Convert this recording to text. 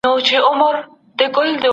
د لويي جرګې غړي ولي په کمېټو وېشل کېږي؟